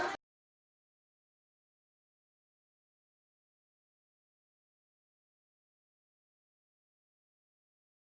di samudia riau